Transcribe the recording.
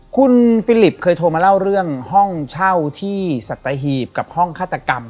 คุณฟิลิปเคยโทรมาเล่าเรื่องห้องเช่าที่สัตหีบกับห้องฆาตกรรม